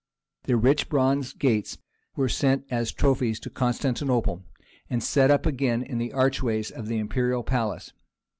Their rich bronze gates were sent as trophies to Constantinople, and set up again in the archways of the imperial palace.